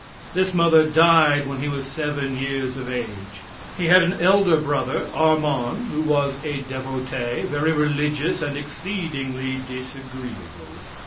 This mother died when he was seven years of age. He had an elder brother, Armand, who was a devotee, very religious and exceedingly disagreeable.